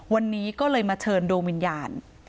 วันนี้ก็เลยมาเชิญดวงวิญญาณ